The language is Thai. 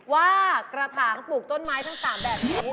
ว่ากระถางปลูกต้นไม้ทั้ง๓แบบนี้